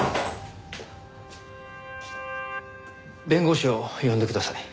弁護士を呼んでください。